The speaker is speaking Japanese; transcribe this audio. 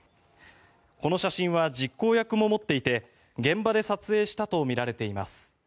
この写真は実行役も持っていて現場で撮影したとみられます。